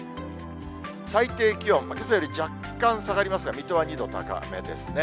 最低気温、けさより若干下がりますが、水戸は２度高めですね。